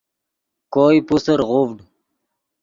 کوئے پوسر غوڤڈ